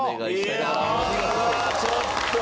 いやあちょっと！